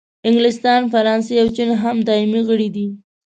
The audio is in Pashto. انګلستان، فرانسې او چین هم دایمي غړي دي.